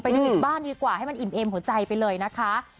ดูอีกบ้านดีกว่าให้มันอิ่มเอมหัวใจไปเลยนะคะ